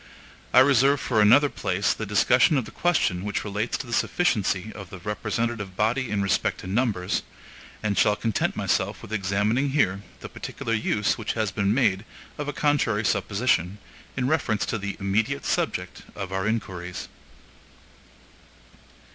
I reserve for another place the discussion of the question which relates to the sufficiency of the representative body in respect to numbers, and shall content myself with examining here the particular use which has been made of a contrary supposition, in reference to the immediate subject of our inquiries.